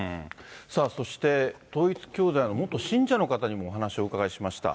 さあそして、統一教団の元信者の方にもお話をお伺いしました。